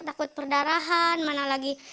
takut perdarahan mana lagi